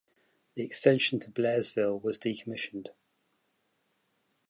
The extension to Blairsville was decommissioned.